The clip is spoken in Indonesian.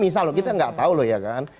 ini misalnya kita nggak tahu loh ya kan